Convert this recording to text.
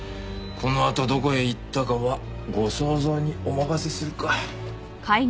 「このあとどこへ行ったかはご想像にお任せする」か。